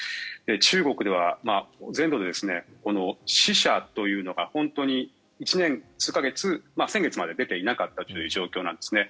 中国では全土で死者というのが本当に１年数か月先月まで出ていなかったという状況なんですね。